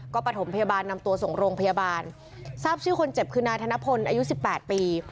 ก็ประถมพยาบาลนำตัวส่งโรงพยาบาลทราบชื่อคนเจ็บคือนายธนพลอายุสิบแปดปี